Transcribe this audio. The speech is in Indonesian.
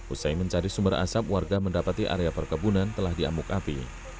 usai mencari sumber asap warga mendapati area perkebunan telah diamuk api